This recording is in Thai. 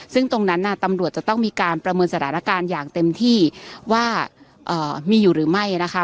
ซึ่งตรงนั้นน่ะตำรวจจะต้องมีการประเมินสถานการณ์อย่างเต็มที่ว่ามีอยู่หรือไม่นะคะ